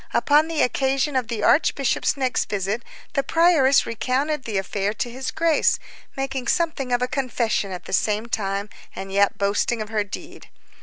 Upon the occasion of the archbishop's next visit, the prioress recounted the affair to his Grace, making something of a confession at the same time, and yet boasting of her deed.